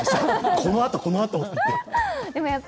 このあと、このあとって。